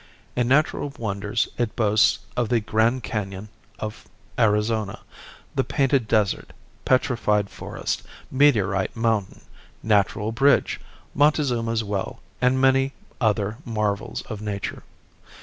In natural wonders it boasts of the Grand Canon of Arizona, the painted desert, petrified forest, meteorite mountain, natural bridge, Montezuma's well and many other marvels of nature.